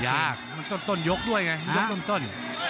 ยากมันต้นยกด้วยไงยกต้น